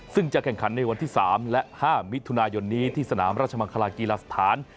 ซึ่งจะแข่งขันในวันที่๓และ๕มิถุนายนนี้ที่สนามราชมังคลากีฬาสถาน